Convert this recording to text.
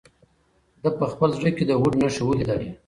ده په خپل زړه کې د هوډ نښې ولیدلې.